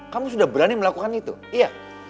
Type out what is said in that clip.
kamu sudah berani melakukan itu iya